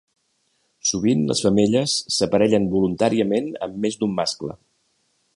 Sovint les femelles s'aparellen voluntàriament amb més d'un mascle.